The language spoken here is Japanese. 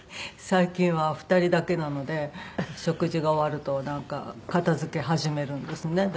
最近は２人だけなので食事が終わると片付け始めるんですね。